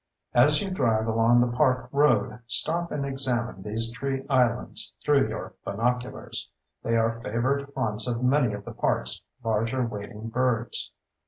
As you drive along the park road, stop and examine these tree islands through your binoculars; they are favored haunts of many of the park's larger wading birds.